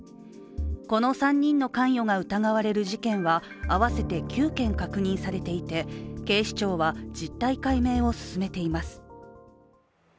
この３人の関与が疑われる事件は合わせて９件確認されていて、警視庁は実態解明を進めています。